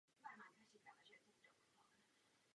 To vše naši práci ztěžuje.